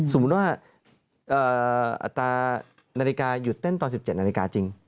สมมุติว่าอัตรานาฬิกาหยุดเต้นตอน๑๗นาฬิกาจริง